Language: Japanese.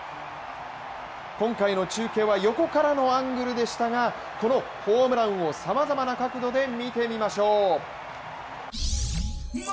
今回の中継は横からのアングルでしたが、このホームランをさまざまな角度で見てみましょう。